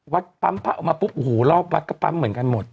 วัดปั๊มพระออกมาปุ๊บโอ้โหรอบวัดก็ปั๊มเหมือนกันหมด